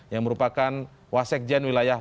yang merupakan wasekjen wilayah